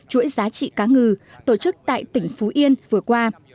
chuỗi giá trị cá ngừ tổ chức tại tỉnh phú yên vừa qua